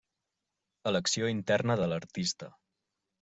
Elecció interna de l'artista.